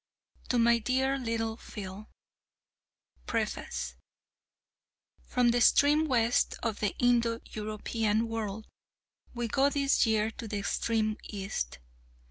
_ TO MY DEAR LITTLE PHIL Preface From the extreme West of the Indo European world, we go this year to the extreme East.